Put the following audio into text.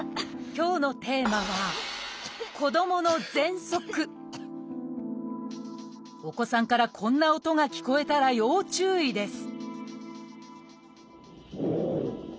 今日のテーマはお子さんからこんな音が聞こえたら要注意です